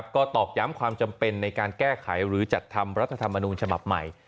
ก็ตอกย้ำความจำเป็นในการแก้ไขหรือจัดทำรัฐธรรมนูญฉบับใหม่